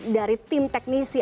dari tim teknisi